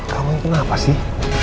kamu kenapa sih